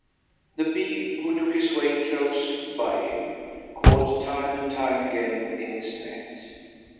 The bee who took his way close by him caught time and time again in his net.